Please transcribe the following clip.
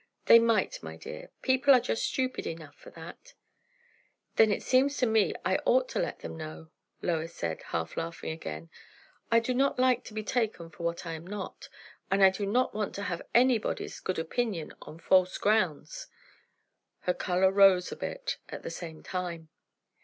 "They might, my dear. People are just stupid enough for that." "Then it seems to me I ought to let them know," Lois said, half laughing again. "I do not like to be taken for what I am not; and I do not want to have anybody's good opinion on false grounds." Her colour rose a bit at the same time.